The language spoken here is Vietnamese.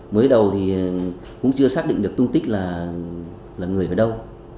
mới đầu thì cũng chưa xác định được tung tích là người ở đâu